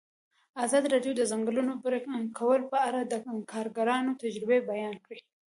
ازادي راډیو د د ځنګلونو پرېکول په اړه د کارګرانو تجربې بیان کړي.